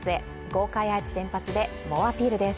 豪快アーチ連発で猛アピールです。